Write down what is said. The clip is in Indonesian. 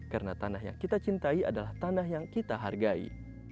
karena tanah yang kita cintai adalah tanah yang kita hargai